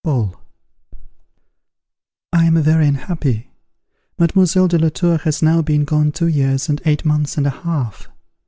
Paul. I am very unhappy. Mademoiselle de la Tour has now been gone two years and eight months and a half.